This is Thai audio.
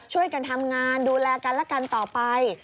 ช่วยกันทำงานดูแลกันและกันต่อไป